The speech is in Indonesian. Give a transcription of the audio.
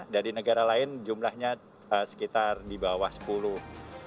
dari negara lain jumlahnya sekitar di bawah sepuluh